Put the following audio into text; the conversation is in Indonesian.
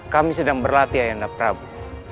kami sedang berlatih ayanda prabu